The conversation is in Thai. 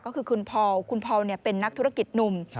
ก็คือคุณพอลเป็นนักธุรกิจหนุ่ม